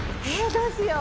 どうしよう？